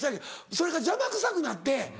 それが邪魔くさくなって。